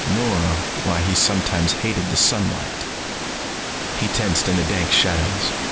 Nor why he sometimes hated the sunlight. He tensed in the dank shadows.